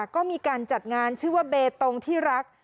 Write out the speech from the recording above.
ก็มีการจัดงานชื่อว่าเบตงที่รัก